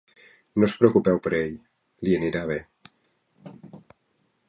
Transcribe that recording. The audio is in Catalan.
No us preocupeu per ell, li anirà bé.